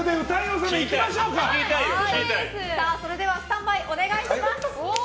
それでは、スタンバイお願いします。